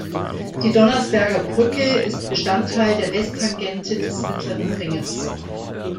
Die Donnersbergerbrücke ist Bestandteil der Westtangente des Mittleren Ringes.